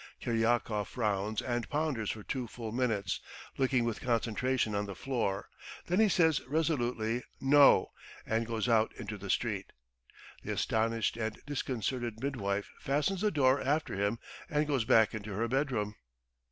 Kiryakov frowns and ponders for two full minutes, looking with concentration on the floor, then he says resolutely, "No," and goes out into the street. The astonished and disconcerted midwife fastens the door after him and goes back into her bedroom.